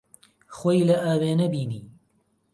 خۆی لە ئاوێنە بینی.